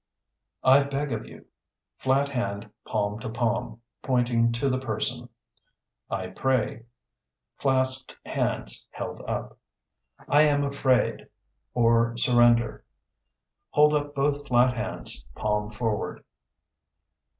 I beg of you (Flat hand palm to palm, pointing to the person). I pray (Clasped hands held up). I am afraid, or surrender (Hold up both flat hands, palm forward).